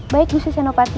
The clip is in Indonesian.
baik bu susino pati